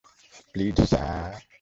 Please, sir!